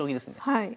はい。